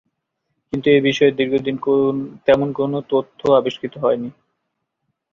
কিন্তু এবিষয়ে দীর্ঘদিন তেমন কোনো তথ্য আবিস্কৃত হয়নি।